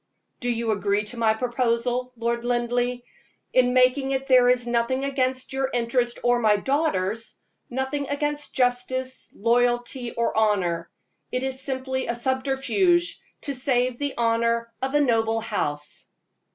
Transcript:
Do you agree to my proposal, Lord Linleigh? In making it there is nothing against your interest or my daughter's nothing against justice, loyalty, or honor; it is simply a subterfuge to save the honor of a noble house.